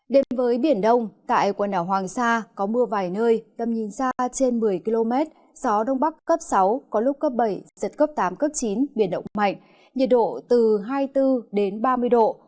đến với biển đông tại quần đảo hoàng sa có mưa vài nơi tầm nhìn xa trên một mươi km gió đông bắc cấp sáu có lúc cấp bảy giật cấp tám cấp chín biển động mạnh nhiệt độ từ hai mươi bốn đến ba mươi độ